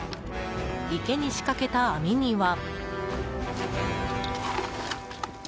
池に仕掛けた網には。